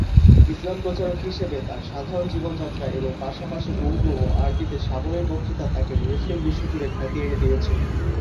ইসলাম প্রচারক হিসেবে তার সাধারণ জীবনযাত্রা এবং পাশাপাশি উর্দু ও আরবিতে সাবলীল বক্তৃতা তাকে মুসলিম বিশ্বজুড়ে খ্যাতি এনে দিয়েছে।